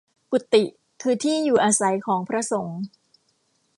กุฎิ คือที่อยู่อาศัยของพระสงฆ์